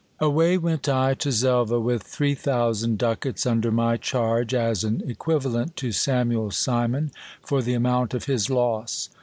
Away went I to Xelva with three thousand ducats under my charge, as an equivalent to Samuel Simon for the amount of his loss.